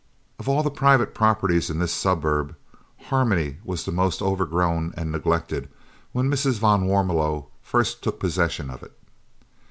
Of all the private properties in this suburb, Harmony was the most overgrown and neglected when Mrs. van Warmelo first took possession of it.